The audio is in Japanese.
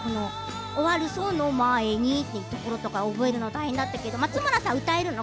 終わるその前にというところ覚えるの大変だったけど松村さん歌えるの？